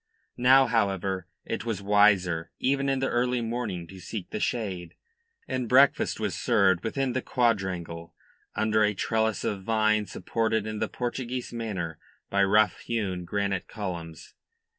Now, however, it was wiser, even in the early morning, to seek the shade, and breakfast was served within the quadrangle, under a trellis of vine supported in the Portuguese manner by rough hewn granite columns.